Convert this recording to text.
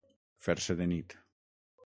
Fer-se de nit.